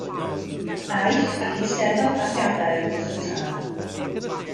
Aeth ac eisteddodd ar gadair wrth y tân.